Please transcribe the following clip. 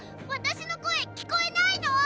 私の声聞こえないの？